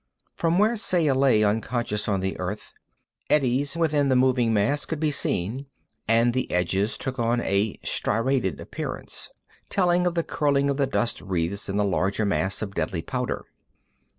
From where Saya lay unconscious on the earth, eddies within the moving mass could be seen, and the edges took on a striated appearance, telling of the curling of the dust wreaths in the larger mass of deadly powder.